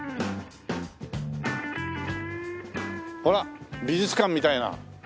ほら美術館みたいな。